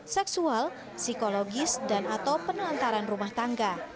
seksual psikologis dan atau penelantaran rumah tangga